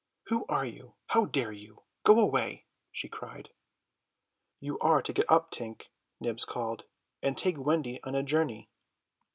"Who are you? How dare you? Go away," she cried. "You are to get up, Tink," Nibs called, "and take Wendy on a journey."